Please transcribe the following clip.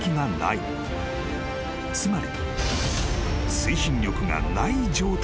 ［つまり］